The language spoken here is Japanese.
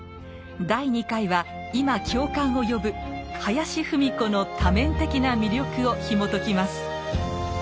第２回は今共感を呼ぶ林芙美子の多面的な魅力をひもときます。